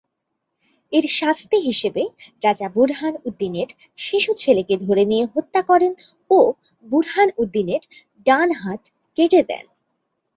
এর শাস্তি হিসেবে রাজা বুরহান উদ্দীনের শিশু ছেলেকে ধরে নিয়ে হত্যা করেন ও বুরহান উদ্দীনের ডান হাত কেটে দেন।